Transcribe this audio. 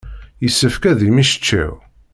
Yessefk ad yemmecčaw.